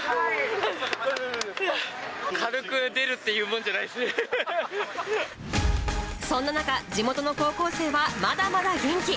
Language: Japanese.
軽く出るって言うもんじゃないでそんな中、地元の高校生はまだまだ元気。